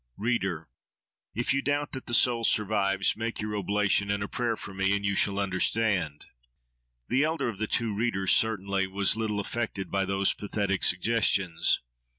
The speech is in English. "Reader! if you doubt that the soul survives, make your oblation and a prayer for me; and you shall understand!" The elder of the two readers, certainly, was little affected by those pathetic suggestions.